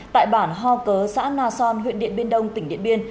tại bản ho cớ xã na son huyện điện biên đông tỉnh điện biên